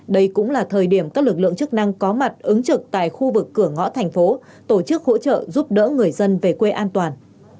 đây cũng là thời điểm các lực lượng chức năng có mặt ứng trực tại khu vực cửa ngõ thành phố tổ chức hỗ trợ giúp đỡ người dân về quê an toàn